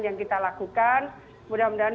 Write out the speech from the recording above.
yang kita lakukan mudah mudahan